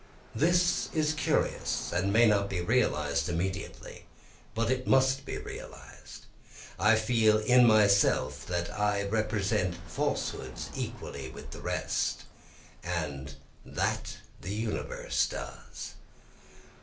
(This is curious and may not be realized immediately, but it must be realized, I feel in myself that I represent falsehoods equally with the rest, And that the universe does.)